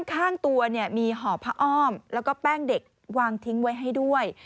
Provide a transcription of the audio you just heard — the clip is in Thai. ข้างตัวมีห่อผ้าอ้อมแล้วก็แป้งเด็กวางทิ้งไว้ให้ด้วย